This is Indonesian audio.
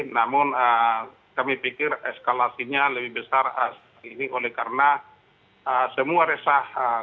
namun kami pikir eskalasinya lebih besar ini oleh karena semua resah